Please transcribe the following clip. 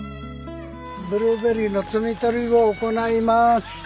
ブルーベリーの摘み取りを行います。